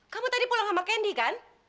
kamu tadi pulang sama kendi kan